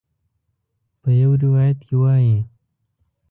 په یو روایت کې وایي.